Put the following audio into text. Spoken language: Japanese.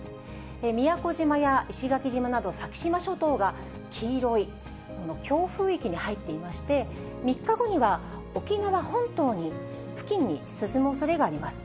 宮古島や石垣島など先島諸島が黄色い強風域に入っていまして、３日後には、沖縄本島に、付近に進むおそれがあります。